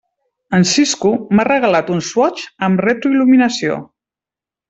En Sisco m'ha regalat un Swatch amb retroil·luminació.